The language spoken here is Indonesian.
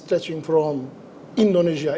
itu berjalan dari indonesia